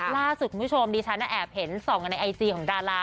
ล่าสุดคุณผู้ชมดิฉันแอบเห็น๒อันในไอจีของดารา